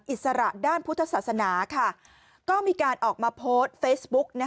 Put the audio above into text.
อิสระด้านพุทธศาสนาก็มีการออกมาโพสต์เฟซบุ๊ก